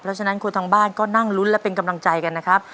เพราะฉะนั้นคนทางบ้านก็นั่งลุ้นและเป็นกำลังใจกันนะครับ